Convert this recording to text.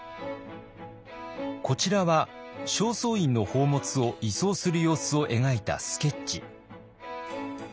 こちらは正倉院の宝物を移送する様子を描いたスケッチ。